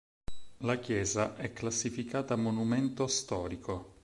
La chiesa è classificata monumento storico.